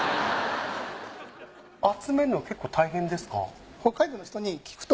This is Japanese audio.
集めるの結構大変ですか？